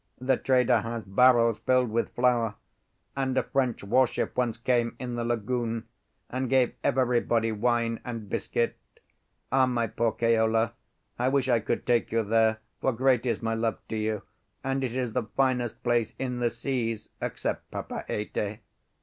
The trader has barrels filled with flour, and a French warship once came in the lagoon and gave everybody wine and biscuit. Ah, my poor Keola, I wish I could take you there, for great is my love to you, and it is the finest place in the seas except Papeete."